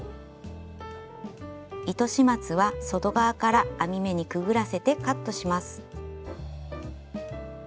糸始末は外側から編み目にくぐらせてカットします。